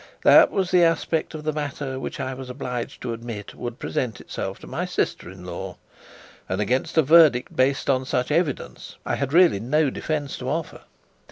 That was the aspect of the matter which, I was obliged to admit, would present itself to my sister in law; and against a verdict based on such evidence, I had really no defence to offer.